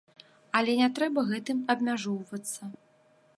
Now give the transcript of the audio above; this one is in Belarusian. Але не трэба гэтым абмяжоўвацца!